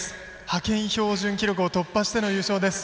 派遣標準記録を突破しての優勝です。